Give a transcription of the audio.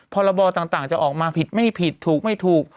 พรบต่างจะออกมาผิดไม่ผิดถูกไม่ถูก